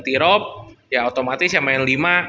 t rock ya otomatis yang main lima